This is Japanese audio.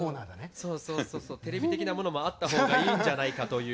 そうそうそうそうテレビ的なものもあった方がいいんじゃないかという。